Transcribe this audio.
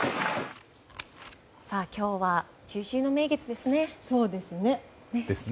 今日は中秋の名月ですね。ですね。